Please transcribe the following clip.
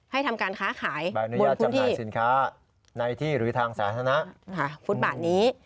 ให้ทำการค้าขายบนพุทธิค่ะฟุตบัตรนี้